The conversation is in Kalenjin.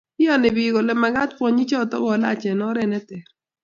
iyoni biik kole mekaat kwonyichoto kolaach eng oret neteer